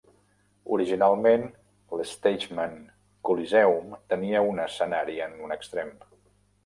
Originalment, l'Stegeman Coliseum tenia un escenari en un extrem.